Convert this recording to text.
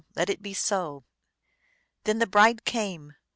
Let it be so." Then the bride came.